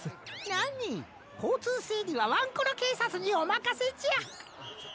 なにこうつうせいりはワンコロけいさつにおまかせじゃ。